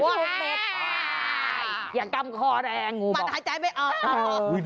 ไม่อย่ากำคอแดงงูบอกอ่าอ่าอ่าอ่ามันหายใจไม่ออก